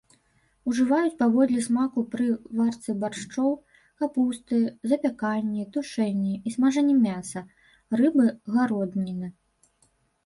Ужываюць паводле смаку пры варцы баршчоў, капусты, запяканні, тушэнні і смажанні мяса, рыбы, гародніны.